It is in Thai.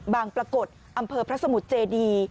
ปรากฏอำเภอพระสมุทรเจดี